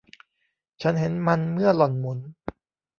ฉันเห็นมันเมื่อหล่อนหมุน